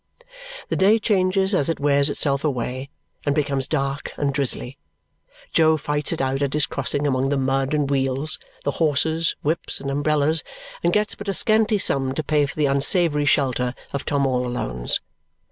The day changes as it wears itself away and becomes dark and drizzly. Jo fights it out at his crossing among the mud and wheels, the horses, whips, and umbrellas, and gets but a scanty sum to pay for the unsavoury shelter of Tom all Alone's.